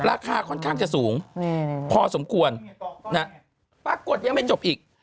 ราคาค่อนข้างจะสูงพอสมควรปรากฏยังไม่จบอีก